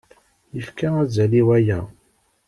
Yefka azal i waya.